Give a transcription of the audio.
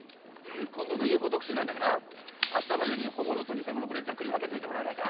今度のＵＦＯ特集なんだがな明日までに本物と偽物これざっくり分けといてもらえないか。